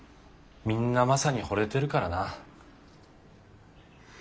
みんなマサにほれてるからな。